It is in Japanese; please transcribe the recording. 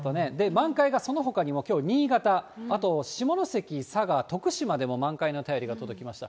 満開がそのほかにも新潟、あと下関と佐賀、徳島でも満開の便りが届きました。